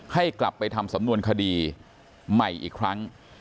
ให้กลับไปทำสำนวนคดีใหม่อีกครั้ง